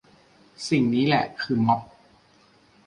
สิ่งนี้นี่แหละคือม็อบ